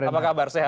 apa kabar sehat